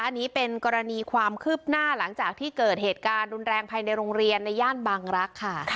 อันนี้เป็นกรณีความคืบหน้าหลังจากที่เกิดเหตุการณ์รุนแรงภายในโรงเรียนในย่านบางรักษ์ค่ะ